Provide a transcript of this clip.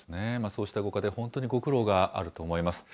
そうしたご家庭、本当にご苦労があると思います。